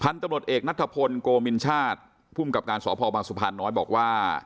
พันธนตรวจเอกนัฐพลโกมิญชาติผู้กับการสอบภาวบางสุภาณน้อยบอกว่า